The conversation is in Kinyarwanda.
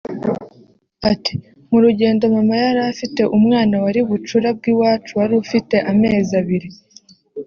Ati “ mu rugendo mama yari afite umwana wari bucura bw’iwacu wari ufite amezi abiri